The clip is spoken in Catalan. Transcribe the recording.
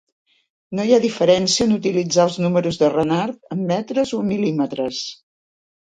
No hi ha diferència en utilitzar els números de Renard amb metres o amb mil·límetres.